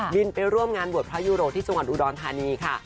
ไปร่วมงานบวชพระยุโรที่จังหวัดอุดรธานีค่ะ